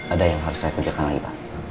ada yang harus saya kerjakan lagi pak